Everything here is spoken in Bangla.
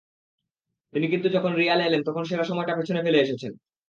কিন্তু তিনি যখন রিয়ালে এলেন তখন সেরা সময়টা পেছনে ফেলে এসেছেন।